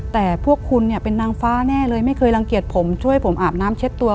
แต่พวกคุณเนี่ยเป็นนางฟ้าแน่เลยไม่เคยรังเกียจผมช่วยผมอาบน้ำเช็ดตัว